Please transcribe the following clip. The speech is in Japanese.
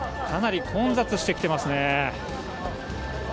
かなり混雑してきてますね。